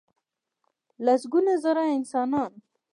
لسګونه زره انسانان .